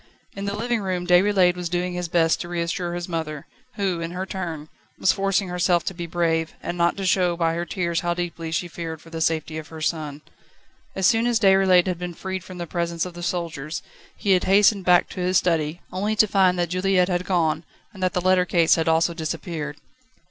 In the living room Déroulède was doing his best to reassure his mother, who, in her turn, was forcing herself to be brave, and not to show by her tears how deeply she feared for the safety of her son. As soon as Déroulède had been freed from the presence of the soldiers, he had hastened back to his study, only to find that Juliette had gone, and that the letter case had also disappeared.